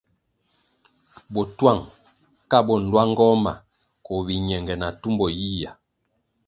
Botuang ka bo nluangoh ma koh biñenge na tumbo yiyia.